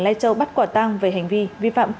lai châu bắt quả tang về hành vi vi phạm